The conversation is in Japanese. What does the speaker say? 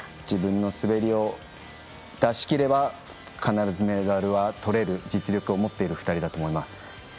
自分の滑りを出し切れば必ずメダルをとれる実力を持っている２人だと思います。